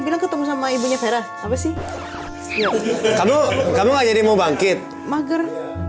bilang ketemu sama ibunya fera apa sih kamu kamu aja dia mau bangkit mager